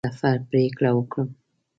د سفر پرېکړه وکړم.